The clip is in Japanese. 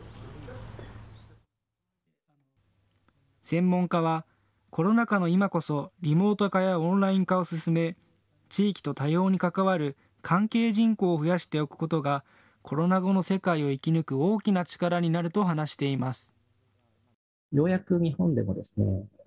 専門家はコロナ禍の今こそリモート化やオンライン化を進め地域と多様に関わる関係人口を増やしておくことがコロナ後の世界を生き抜く大きな力になると話しています。